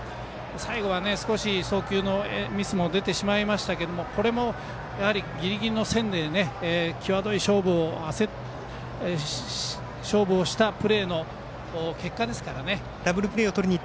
最後は少し送球のミスも出てしまいましたけどこれをやはりギリギリの線で際どい勝負をしたプレーの結果ですから。